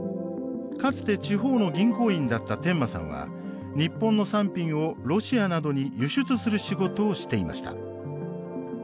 かつて地方の銀行員だった天間さんは日本の産品をロシアなどに輸出する仕事をしていました。